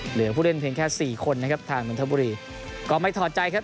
เหลือผู้เล่นเพียงแค่สี่คนนะครับทางนนทบุรีก็ไม่ถอดใจครับ